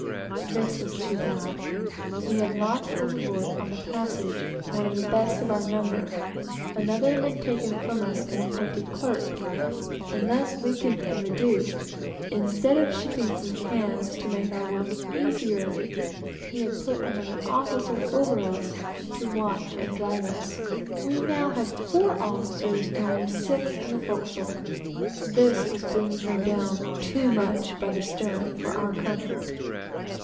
This was too bad. We had lost overboard, on the passage, one of the best of our number, another had been taken from us and appointed clerk, and thus weakened and reduced, instead of shipping some hands to make our work easier, he had put another officer over us, to watch and drive us. We had now four officers, and only six in the forecastle. This was bringing her too much down by the stern for our comfort.